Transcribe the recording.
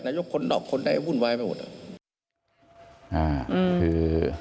นาฬิกษ์คนออกคนได้วุ่นวายไปหมด